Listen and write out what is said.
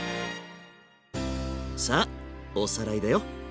さあおさらいだよ。